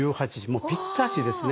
もうぴったしですね。